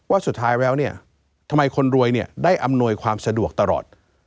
สุดท้ายแล้วเนี่ยทำไมคนรวยเนี่ยได้อำนวยความสะดวกตลอด